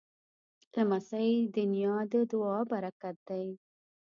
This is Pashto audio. لمسی د نیا د دعا پرکت دی.